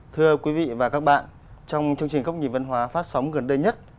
thưa quý vị và các bạn trong chương trình cốc nhìn vân hóa phát sóng gần đây nhất